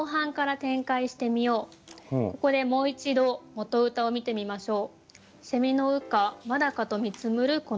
ここでもう一度元歌を見てみましょう。